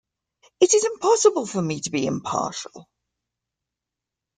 It is impossible for me to be impartial.